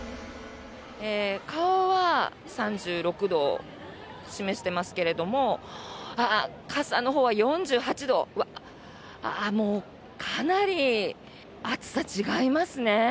顔は３６度を示してますけれども傘のほうは４８度もう、かなり暑さが違いますね。